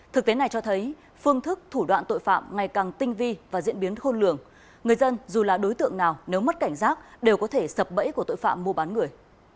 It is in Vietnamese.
thực tế này cho thấy phương thức thủ đoạn tội phạm ngày càng tinh vi và diễn biến khôn lường người dân dù là đối tượng nào nếu mất cảnh giác đều có thể sập bẫy của tội phạm mua bán người